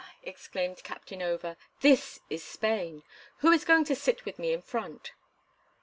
exclaimed Captain Over, "this is Spain! Who is going to sit with me in front?"